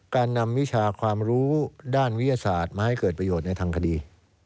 การนำวิชาความรู้ด้านวิทยาศาสตร์มาให้เกิดประโยชน์ในทางคดี